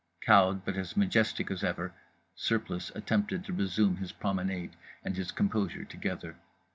Cowed, but as majestic as ever, Surplice attempted to resume his promenade and his composure together.